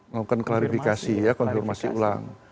melakukan klarifikasi ya konfirmasi ulang